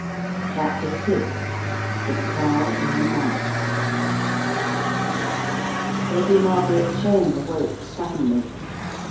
CHAPTER VI THE CRT IN THE NIGHT IADY MARGARET CHEYNE awoke suddenly.